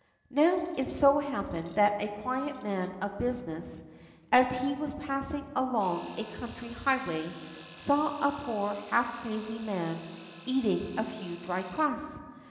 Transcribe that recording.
Now it so happened that a quiet man of business, as he was passing along a country highway, saw a poor old half crazy man eating a few dry crusts.